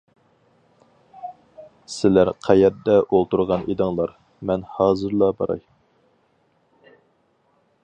-سىلەر قەيەردە ئولتۇرغان ئىدىڭلار؟ مەن ھازىرلا باراي.